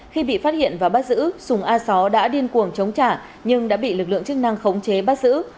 khi bị phát hiện và bắt giữ sùng a sáu đã điên cuồng chống trả nhưng đã bị lực lượng chức năng khống chế bắt giữ